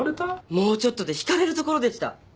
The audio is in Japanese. もうちょっとでひかれるところでした